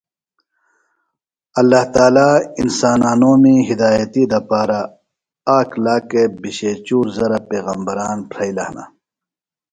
اللہ تعالیٰ انسانانومی ہدایتی دپارہ آک لاکا بھیشے چُور زرہ پیغمبران پھریلہ ہنہۡ۔